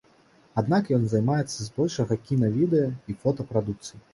Аднак ён займаецца збольшага кіна-відэа і фота прадукцыяй.